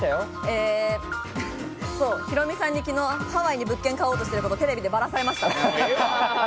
ヒロミさんにきのうハワイに物件買おうとしてること、ＴＶでバラされました。